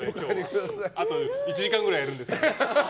あと１時間くらいやるんですから。